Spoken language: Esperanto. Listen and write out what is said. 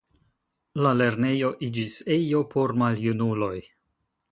La lernejo iĝis ejo por maljunuloj.